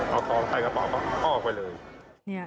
เอาของใส่กระเป๋าเขาออกไปเลย